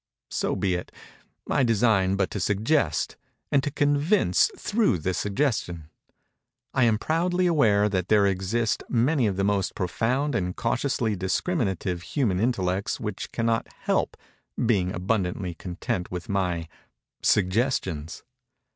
So be it:—I design but to suggest—and to convince through the suggestion. I am proudly aware that there exist many of the most profound and cautiously discriminative human intellects which cannot help being abundantly content with my—suggestions.